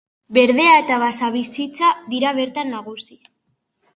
Berdea eta basabizitza dira bertan nagusi.